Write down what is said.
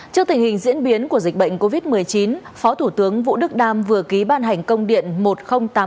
trước tình hình diễn biến của dịch bệnh covid một mươi chín phó thủ tướng vũ đức đam vừa ký ban hành công điện